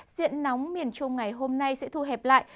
diện nóng miền trung ngày hôm nay sẽ thu hẹp lại